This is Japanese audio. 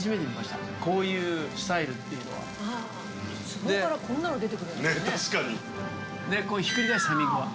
こういうスタイルっていうのは。